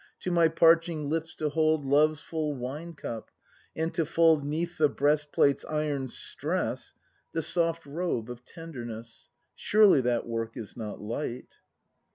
To my parching lips to hold Love's full wine cup, and to fold 'Neath the breastplate's iron stress The soft robe of tenderness. Surely that work is not light!